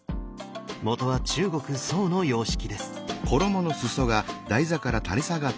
元は中国・宋の様式です。